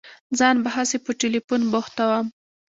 ځان به هسي په ټېلفون بوختوم.